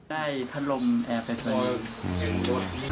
ได้ทันลมแอร์แฟสต์ตอนนี้